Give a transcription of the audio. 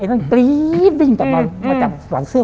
ไอ้นั่นปรี๊บวิ่งต่อมามาจากหลังเสื้อ